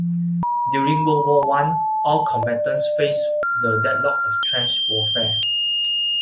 During World War One all combatants faced the deadlock of trench warfare.